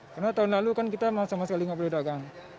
karena tahun lalu kan kita sama sekali nggak boleh dagang